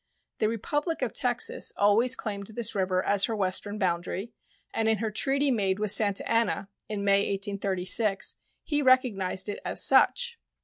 The Republic of Texas always claimed this river as her western boundary, and in her treaty made with Santa Anna in May, 1836, he recognized it as such.